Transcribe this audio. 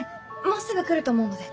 もうすぐ来ると思うので。